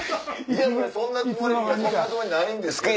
そんなつもりはないんですけど。